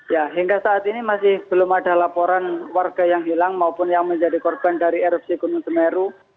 ya hingga saat ini masih belum ada laporan warga yang hilang maupun yang menjadi korban dari erupsi gunung semeru